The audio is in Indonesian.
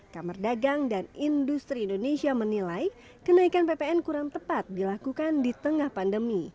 kamar dagang dan industri indonesia menilai kenaikan ppn kurang tepat dilakukan di tengah pandemi